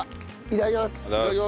いただきます。